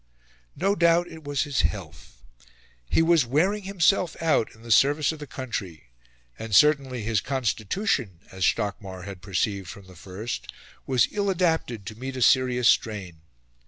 No doubt it was his health. He was wearing himself out in the service of the country; and certainly his constitution, as Stockmar had perceived from the first, was ill adapted to meet a serious strain.